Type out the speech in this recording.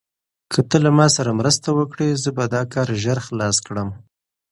که ته له ما سره مرسته وکړې، زه به دا کار ژر خلاص کړم.